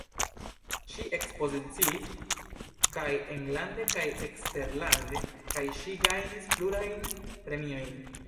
Ŝi ekspoziciis kaj enlande kaj eksterlande, kaj ŝi gajnis plurajn premiojn.